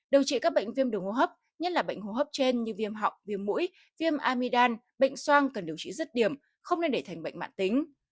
điều trị các bệnh viêm đường hô hấp nhất là bệnh hô hấp trên như viêm họng viêm mũi viêm amidam bệnh soang cần điều trị rất điểm không nên để thành bệnh mạng tính